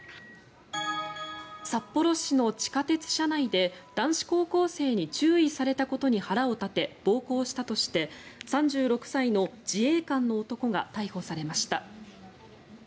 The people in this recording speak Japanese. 札幌市の地下鉄車内で男子高校生に注意されたことに腹を立て暴行したとして３６歳の自衛官の男が逮捕されました。